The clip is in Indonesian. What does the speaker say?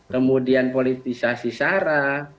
kemudian politisasi syarah